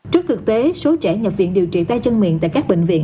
trước thực tế số trẻ nhập viện điều trị tay chân miệng tại các bệnh viện